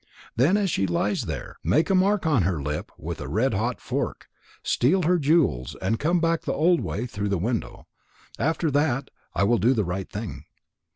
Then as she lies there, make a mark on her hip with a red hot fork, steal her jewels, and come back the old way through the window. After that I will do the right thing."